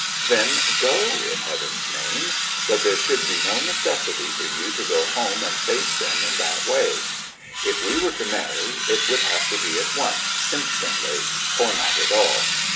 'Then go, in Heaven's name! But there would be no necessity for you to go home and face them in that way. If we were to marry, it would have to be at once, instantly; or not at all.